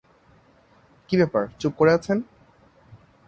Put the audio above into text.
কি ব্যাপার, চুপ করে আছেন?